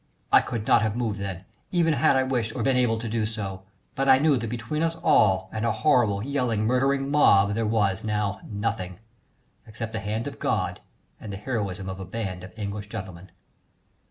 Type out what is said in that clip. I could not have moved then, even had I wished or been able to do so, but I knew that between us all and a horrible, yelling, murdering mob there was now nothing except the hand of God and the heroism of a band of English gentlemen.